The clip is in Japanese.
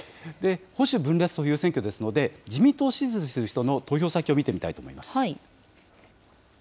保守分裂という選挙ですので、自民党を支持する人の投票先を見てみたいと思います。